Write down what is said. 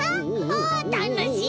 あたのしい！